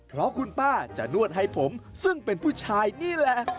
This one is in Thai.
เพราะคุณป้าจะนวดให้ผมซึ่งเป็นผู้ชายนี่แหละ